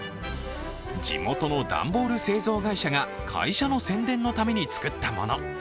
地元の段ボール製造会社が会社の宣伝のために作ったもの。